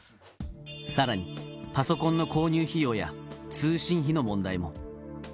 さらにパソコンの購入費用や通信費の問題も。